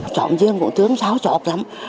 trộm viên cũng thương sao trộm lắm